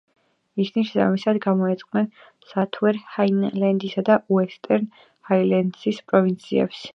ისინი შესაბამისად გამოეყვნენ საუთერნ-ჰაილენდსის და უესტერნ-ჰაილენდსის პროვინციებს.